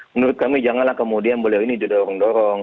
menurut kami janganlah kemudian beliau ini didorong dorong